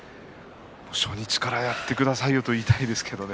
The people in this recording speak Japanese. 初日からやってくださいよと言いたいですけどね。